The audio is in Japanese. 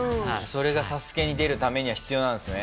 それが『ＳＡＳＵＫＥ』に出るためには必要なんですね。